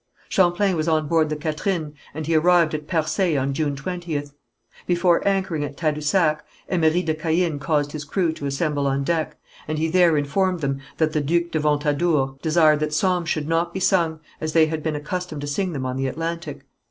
Champlain was on board the Catherine, and he arrived at Percé on June 20th. Before anchoring at Tadousac, Emery de Caën caused his crew to assemble on deck, and he there informed them that the Duc de Ventadour desired that psalms should not be sung, as they had been accustomed to sing them on the Atlantic.